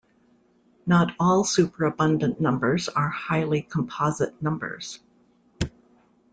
Not all superabundant numbers are highly composite numbers.